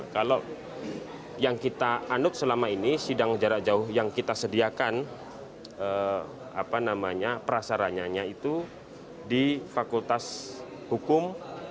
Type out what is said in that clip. kalau yang kita anut selama ini sidang jarak jauh yang kita sediakan prasaranya itu di fakultas hukum